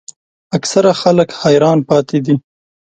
اکثره خلک حیران پاتې دي.